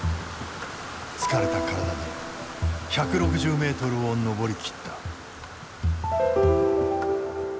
疲れた体で１６０ｍを登り切った。